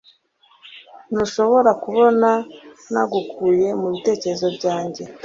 ntushobora kubona nagukuye mubitekerezo byanjye.